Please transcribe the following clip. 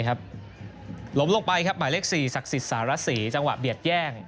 ล้มลงไปครับหมายเลข๔ศักดิ์สิทธิสารสีจังหวะเบียดแย่ง